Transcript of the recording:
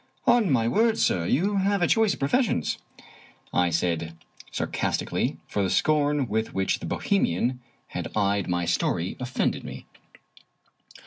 " On my word, sir, you have a choice of professions," I said, sarcastically; for the scorn with which the Bohemian had eyed my story offended me.